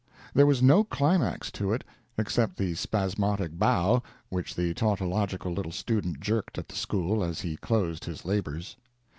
There was no climax to it, except the spasmodic bow which the tautological little student jerked at the school as he closed his labors.